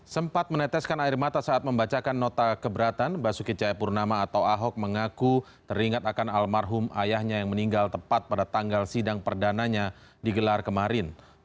sempat meneteskan air mata saat membacakan nota keberatan basuki cayapurnama atau ahok mengaku teringat akan almarhum ayahnya yang meninggal tepat pada tanggal sidang perdananya digelar kemarin